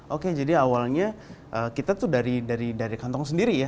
oke jadi awalnya kita tuh dari kantong sendiri ya